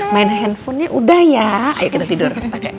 main handphonenya udah ya ayo kita tidur